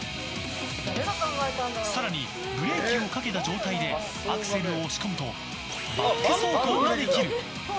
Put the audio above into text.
更に、ブレーキをかけた状態でアクセルを押し込むとバック走行ができる。